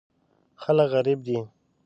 خلک غریب دي.